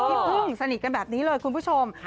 พี่พึ่งสนิทกันแบบนี้เลยคุณผู้ชม